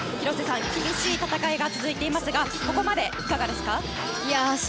厳しい戦いが続いていますがここまでいかがですか？